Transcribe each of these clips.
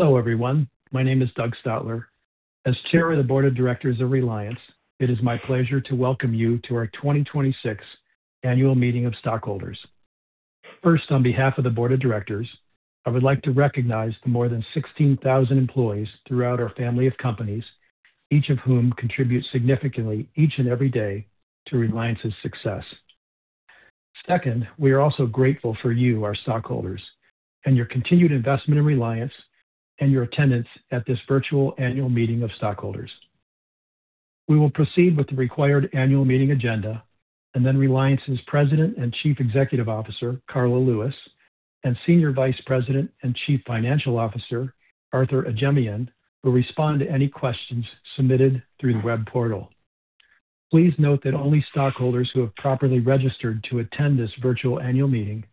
Hello everyone. My name is Doug Stotlar. As Chair of the Board of Directors of Reliance, it is my pleasure to welcome you to our 2026 annual meeting of stockholders. First, on behalf of the Board of Directors, I would like to recognize the more than 16,000 employees throughout our family of companies, each of whom contributes significantly each and every day to Reliance's success. Second, we are also grateful for you, our stockholders, and your continued investment in Reliance and your attendance at this virtual annual meeting of stockholders. We will proceed with the required annual meeting agenda and then Reliance's President and Chief Executive Officer, Karla Lewis, and Senior Vice President and Chief Financial Officer, Arthur Ajemyan, will respond to any questions submitted through the web portal. Please note that only stockholders who have properly registered to attend this virtual annual meeting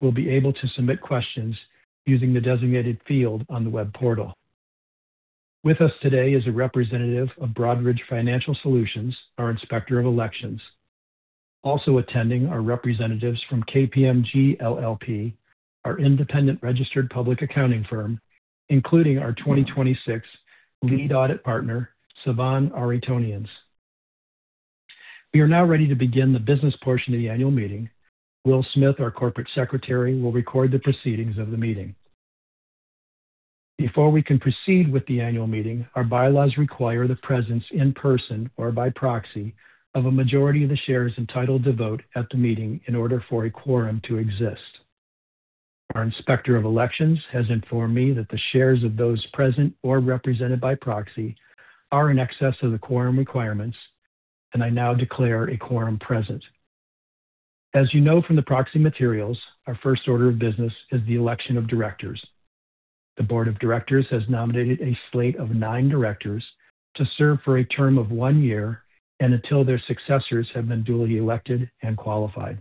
will be able to submit questions using the designated field on the web portal. With us today is a representative of Broadridge Financial Solutions, our Inspector of Elections. Also attending are representatives from KPMG LLP, our independent registered public accounting firm, including our 2026 lead audit partner, SevagnAritonian. We are now ready to begin the business portion of the annual meeting. Will Smith, our Corporate Secretary, will record the proceedings of the meeting. Before we can proceed with the annual meeting, our bylaws require the presence in person or by proxy of a majority of the shares entitled to vote at the meeting in order for a quorum to exist. Our Inspector of Elections has informed me that the shares of those present or represented by proxy are in excess of the quorum requirements, and I now declare a quorum present. As you know from the proxy materials, our first order of business is the election of directors. The board of directors has nominated a slate of nine directors to serve for a term of one year and until their successors have been duly elected and qualified.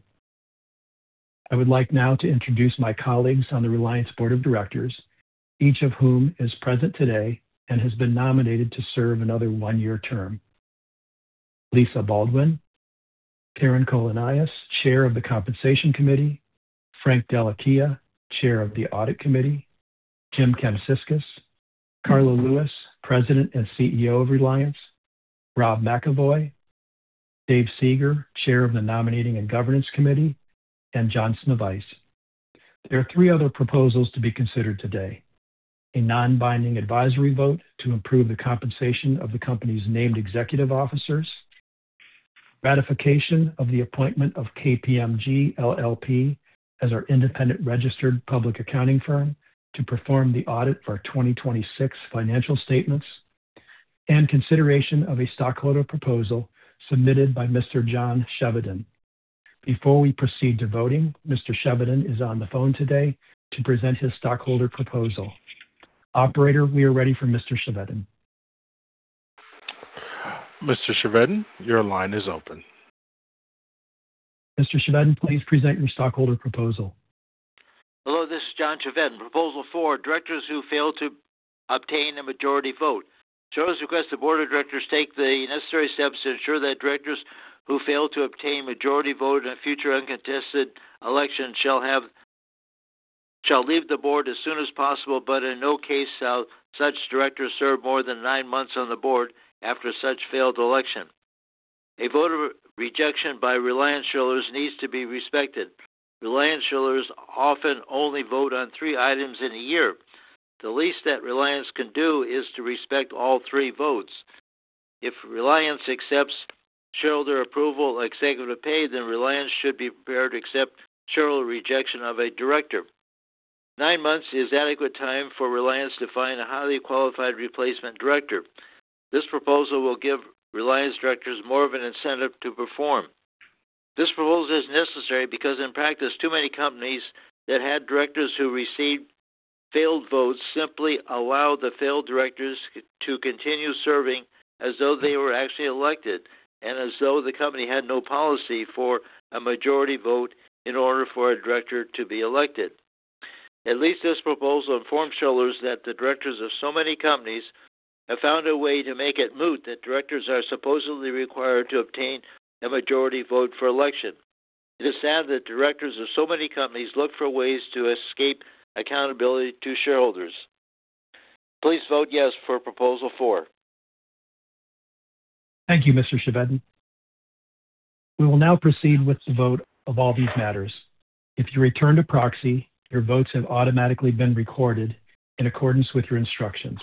I would like now to introduce my colleagues on the Reliance Board of Directors, each of whom is present today and has been nominated to serve another one-year term. Lisa Baldwin, Karen W. Colonias, Chair of the Compensation Committee, Frank J. Dellaquila, Chair of the Audit Committee, James K. Kamsickas, Karla R. Lewis, President and CEO of Reliance, Robert A. McEvoy, David W. Seeger, Chair of the Nominating and Governance Committee, and John G. Sznewajs. There are three other proposals to be considered today: a non-binding advisory vote to improve the compensation of the company's named executive officers, ratification of the appointment of KPMG LLP as our independent registered public accounting firm to perform the audit for our 2026 financial statements, and consideration of a stockholder proposal submitted by Mr. John Chevedden. Before we proceed to voting, Mr. Chevedden is on the phone today to present his stockholder proposal. Operator, we are ready for Mr. Chevedden. Mr. Chevedden, your line is open. Mr. Chevedden, please present your stockholder proposal. Hello, this is John Chevedden. Proposal four, directors who fail to obtain a majority vote. Shareholders request the board of directors take the necessary steps to ensure that directors who fail to obtain majority vote in a future uncontested election shall leave the board as soon as possible, but in no case shall such directors serve more than nine months on the board after such failed election. A voter rejection by Reliance shareholders needs to be respected. Reliance shareholders often only vote on three items in a year. The least that Reliance can do is to respect all three votes. If Reliance accepts shareholder approval, like executive pay, then Reliance should be prepared to accept shareholder rejection of a director. Nine months is adequate time for Reliance to find a highly qualified replacement director. This proposal will give Reliance directors more of an incentive to perform. This proposal is necessary because, in practice, too many companies that had directors who received failed votes simply allow the failed directors to continue serving as though they were actually elected and as though the company had no policy for a majority vote in order for a director to be elected. At least this proposal informs shareholders that the directors of so many companies have found a way to make it moot, that directors are supposedly required to obtain a majority vote for election. It is sad that directors of so many companies look for ways to escape accountability to shareholders. Please vote yes for proposal 4. Thank you, Mr. Chevedden. We will now proceed with the vote of all these matters. If you returned a proxy, your votes have automatically been recorded in accordance with your instructions.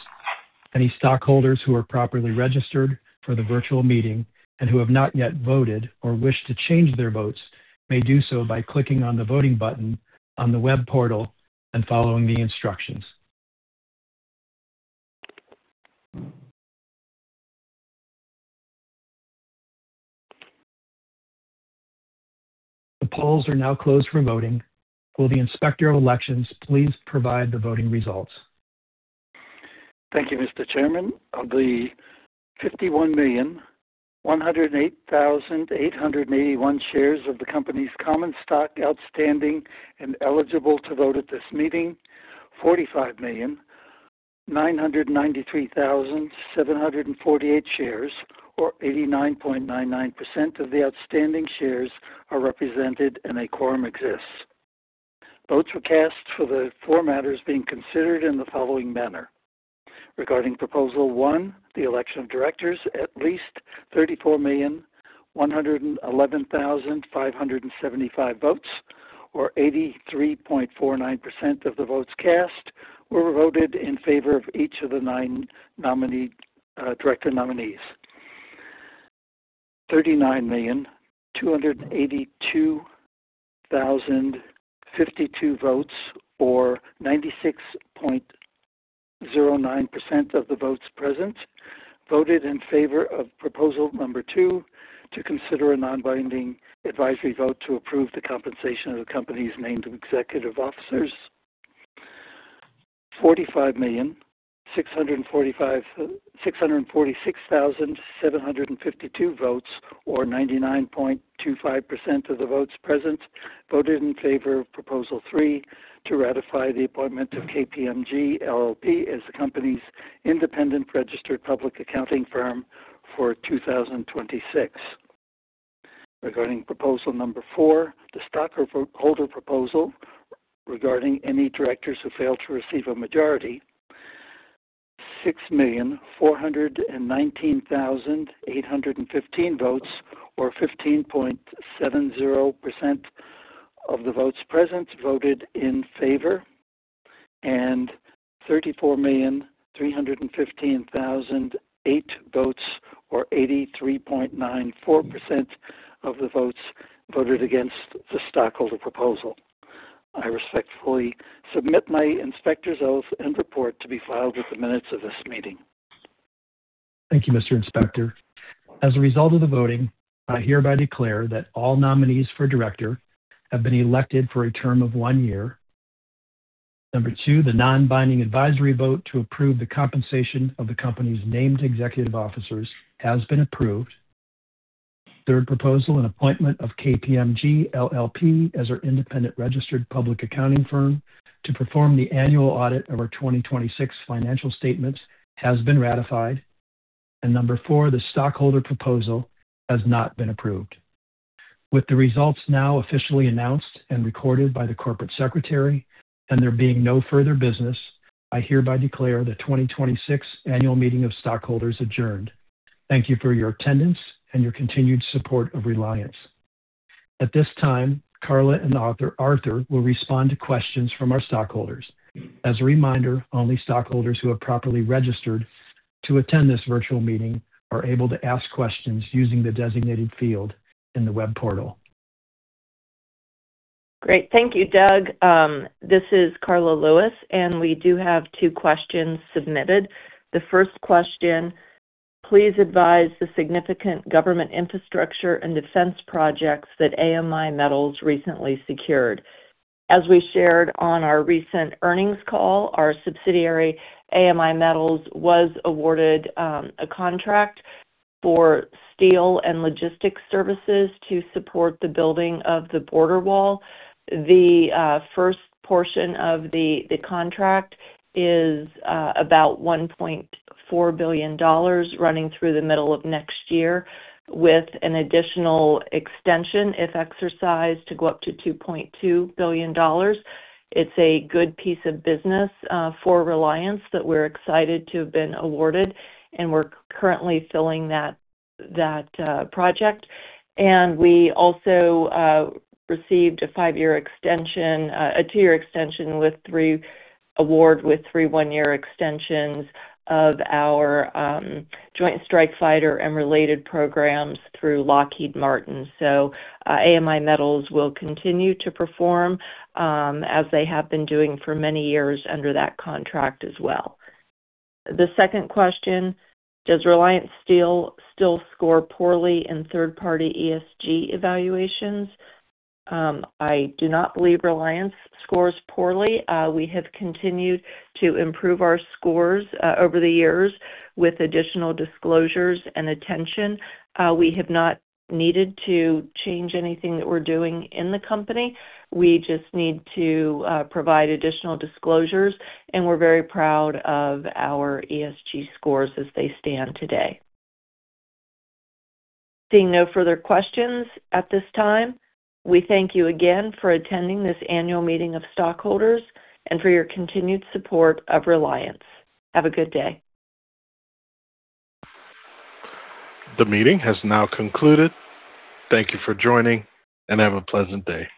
Any stockholders who are properly registered for the virtual meeting and who have not yet voted or wish to change their votes may do so by clicking on the voting button on the web portal and following the instructions. The polls are now closed for voting. Will the Inspector of Elections please provide the voting results? Thank you, Mr. Chairman. Of the 51,108,881 shares of the company's common stock outstanding and eligible to vote at this meeting, 45,993,748 shares, or 89.99% of the outstanding shares are represented and a quorum exists. Votes were cast for the four matters being considered in the following manner. Regarding proposal one, the election of directors, at least 34,111,575 votes, or 83.49% of the votes cast, were voted in favor of each of the 9 director nominees. 39,282,052 votes, or 96.09% of the votes present, voted in favor of proposal two, to consider a non-binding advisory vote to approve the compensation of the company's named executive officers. 45,646,752 votes, or 99.25% of the votes present, voted in favor of proposal 3 to ratify the appointment of KPMG LLP as the company's independent registered public accounting firm for 2026. Regarding proposal number four, the stockholder proposal regarding any directors who failed to receive a majority, 6,419,815 votes, or 15.70% of the votes present, voted in favor, and 34,315,008 votes, or 83.94% of the votes, voted against the stockholder proposal. I respectfully submit my inspector's oath and report to be filed with the minutes of this meeting. Thank you, Mr. Inspector. As a result of the voting, I hereby declare that all nominees for director have been elected for a term of one year. Number 2, the non-binding advisory vote to approve the compensation of the company's named executive officers has been approved. Third proposal, an appointment of KPMG LLP as our independent registered public accounting firm to perform the annual audit of our 2026 financial statements has been ratified. Number 4, the stockholder proposal has not been approved. With the results now officially announced and recorded by the corporate secretary, and there being no further business, I hereby declare the 2026 annual meeting of stockholders adjourned. Thank you for your attendance and your continued support of Reliance. At this time, Karla and Arthur will respond to questions from our stockholders. As a reminder, only stockholders who have properly registered to attend this virtual meeting are able to ask questions using the designated field in the web portal. Great. Thank you, Doug. This is Karla Lewis. We do have two questions submitted. The first question, please advise the significant government infrastructure and defense projects that AMI Metals recently secured. As we shared on our recent earnings call, our subsidiary, AMI Metals, was awarded a contract for steel and logistics services to support the building of the border wall. The first portion of the contract is about $1.4 billion running through the middle of next year, with an additional extension, if exercised, to go up to $2.2 billion. It's a good piece of business for Reliance that we're excited to have been awarded. We're currently filling that project. We also received a two-year extension with three award with three 1-year extensions of our Joint Strike Fighter and related programs through Lockheed Martin. AMI Metals will continue to perform, as they have been doing for many years under that contract as well. The second question, does Reliance Steel still score poorly in third-party ESG evaluations? I do not believe Reliance scores poorly. We have continued to improve our scores over the years with additional disclosures and attention. We have not needed to change anything that we're doing in the company. We just need to provide additional disclosures, and we're very proud of our ESG scores as they stand today. Seeing no further questions at this time, we thank you again for attending this annual meeting of stockholders and for your continued support of Reliance. Have a good day. The meeting has now concluded. Thank you for joining, and have a pleasant day.